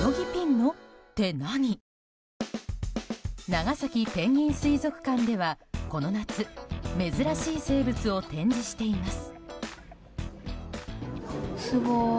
長崎ペンギン水族館ではこの夏珍しい生物を展示しています。